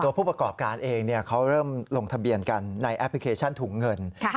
ผู้ประกอบการเองเขาเริ่มลงทะเบียนกันในแอปพลิเคชันถุงเงิน